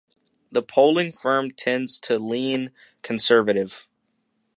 The polling firm tends to lean conservative.